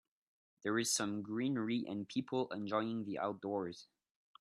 There is some greenery and people enjoying the outdoors